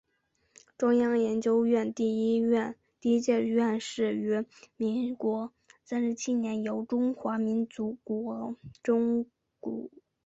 中央研究院第一届院士于民国三十七年由中华民国中央研究院选举产生。